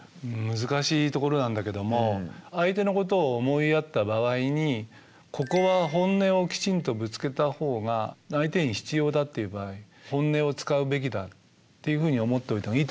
難しいところなんだけども相手のことを思いやった場合にここは「本音」をきちんとぶつけた方が相手に必要だっていう場合「本音」を使うべきだっていうふうに思っておいた方がいいと思うんですよね。